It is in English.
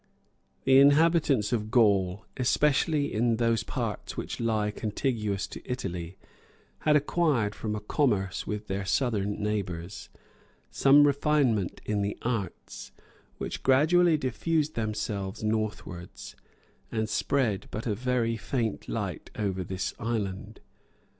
The inhabitants of Gaul, especially in those parts which lie contiguous to Italy, had acquired, from a commerce with their southern neighbors, some refinement in the arts, which gradually diffused themselves northwards, and spread but a very faint light over this island.